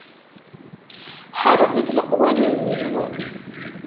Ḥerzet leqwanen-iw.